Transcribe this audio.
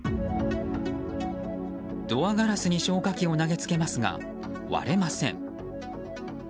ドアガラスに消火器を投げつけますが割れません。